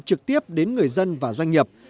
trực tiếp đến người dân và doanh nghiệp